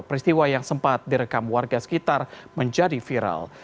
peristiwa yang sempat direkam warga sekitar menjadi viral